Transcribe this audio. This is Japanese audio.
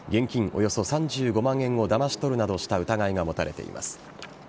およそ３５万円をだまし取るなどした疑いが持たれています。